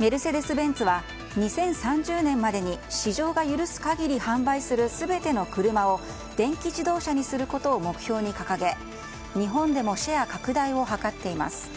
メルセデス・ベンツは２０３０年までに市場が許す限り販売する全ての車を電気自動車にすることを目標に掲げ日本でもシェア拡大を図っています。